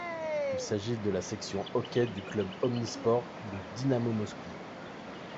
Il s'agit de la section hockey du club omnisports du Dinamo Moscou.